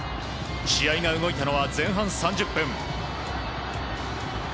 試合が動いたのは前半３０分。